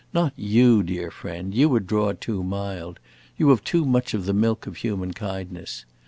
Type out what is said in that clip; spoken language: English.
Not you, dear friend; you would draw it too mild; you have too much of the milk of human kindness.